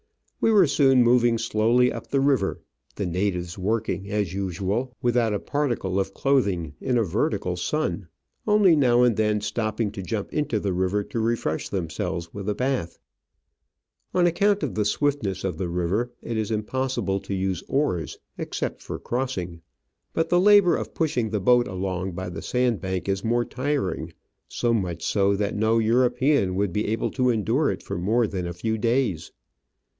We were soon moving slowly up the river, the natives working, as usual, without a particle of clothing in a vertical sun, only now and then stopping to jump into the river to refresh themselves with a bath. On account of the swiftness of the river, Digitized by VjOOQIC 94 Travels and Adventures it is impossible to use oars except for crossing ; but the labour of pushing the boat along by the sand bank is more tiring, so much so that no European would be able to endure it for more than a few days.